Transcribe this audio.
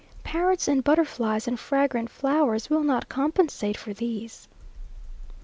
Parrots and butterflies and fragrant flowers will not compensate for these.